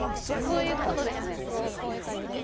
こういう事ですねこういう感じで。